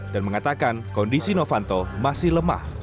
dan mengatakan kondisi novanto masih lemah